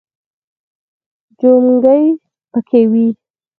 چونګښې پکې وي.